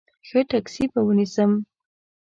ښه ټیکسي به ونیسم.